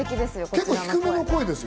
結構、低めの声ですよね。